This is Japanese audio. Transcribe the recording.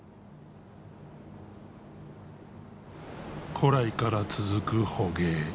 古来から続く捕鯨。